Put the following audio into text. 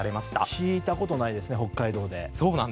聞いたことないですね北海道で。